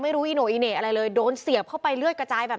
อีโน่อีเหน่อะไรเลยโดนเสียบเข้าไปเลือดกระจายแบบ